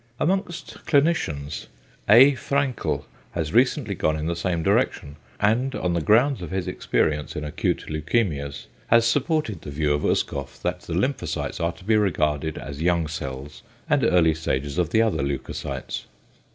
Amongst clinicians A. Fränkel has recently gone in the same direction, and on the grounds of his experience in acute leukæmias has supported the view of Uskoff, that the lymphocytes are to be regarded as young cells, and early stages of the other leucocytes.